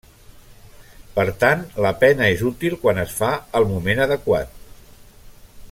Per tant, la pena és útil quan es fa el moment adequat.